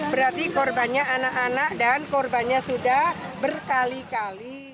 berarti korbannya anak anak dan korbannya sudah berkali kali